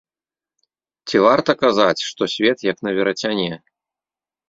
Ці варта казаць, што свет як на верацяне?!